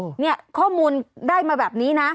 เนี่ยข้อมูลได้มาแบบนี้นะ